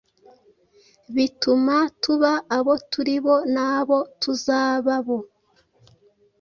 bituma tuba abo turi bo n’abo tuzaba bo.